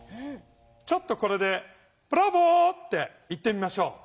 ちょっとこれで「ブラボー」って言ってみましょう。